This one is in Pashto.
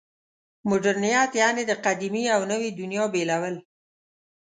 مډرنیت یعنې د قدیمې او نوې دنیا بېلول.